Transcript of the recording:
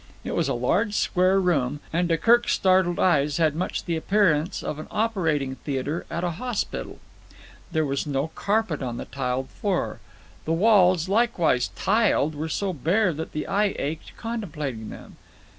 It was a large, square room, and to Kirk's startled eyes had much the appearance of an operating theatre at a hospital. There was no carpet on the tiled floor. The walls, likewise tiled, were so bare that the eye ached contemplating them.